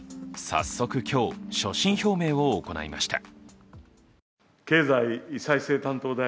早速、今日、所信表明を行いました。